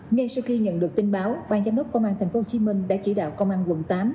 ngay sau khi nhận được tin báo ban giám đốc công an tp hcm đã chỉ đạo công an quận tám